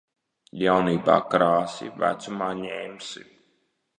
Jaunībā krāsi, vecumā ņemsi.